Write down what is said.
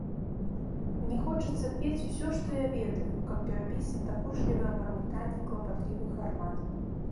Мне хочацца пець усё, што я ведаю, каб перабіць надакучлівае мармытанне клапатлівых гармат.